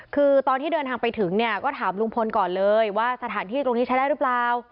คือตอนที่เดินทางไปถึงเนี่ยก็ถามลุงพลก่อนเลยว่าสถานที่ตรงนี้ใช้ได้หรือเปล่า